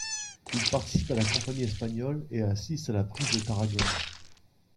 Il participe à la campagne espagnole et assiste à la prise de Tarragone.